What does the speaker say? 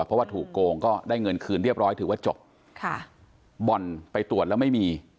เพราะว่าถูกโกงก็ได้เงินคืนเรียบร้อยถือว่าจบค่ะบ่อนไปตรวจแล้วไม่มี